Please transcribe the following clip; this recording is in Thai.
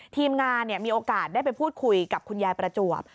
ทีมงานมีโอกาสได้ไปพูดคุยกับคุณยายประจวบ